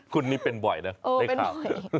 คุณนี่เป็นบ่อยนะได้ข่าว